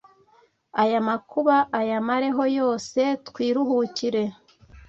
aya makub' ayamareho yose twiruhukire.